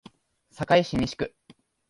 堺市西区